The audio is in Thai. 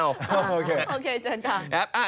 โอเคเจนทาง